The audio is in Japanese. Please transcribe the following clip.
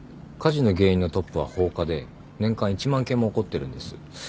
火事の原因のトップは放火で年間１万件も起こってるんです。